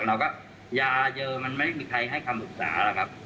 เราก็ยาเจอมันไม่มีใครให้คำปรึกษาหรอกครับ